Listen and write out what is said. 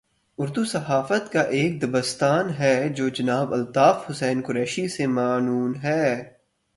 اردو صحافت کا ایک دبستان ہے جو جناب الطاف حسن قریشی سے معنون ہے۔